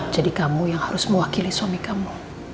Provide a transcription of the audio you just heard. jadi kamu yang harus mewakili suami kamu